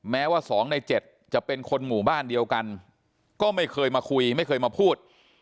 แม้ว่า๒ใน๗จะเป็นคนหมู่บ้านเดียวกันก็ไม่เคยมาคุยไม่เคยมาพูด